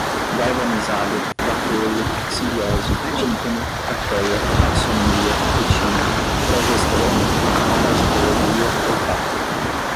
galvanizado, vacúolo, simbiose, tímpano, traqueia, taxonomia, retina, progesterona, parasitologia, olfato